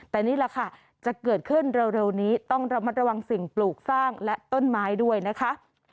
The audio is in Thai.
แต่นี่แหละค่ะจะเกิดขึ้นเร็วนี้ต้องระมัดระวังสิ่งปลูกสร้างและต้นไม้ด้วยนะคะ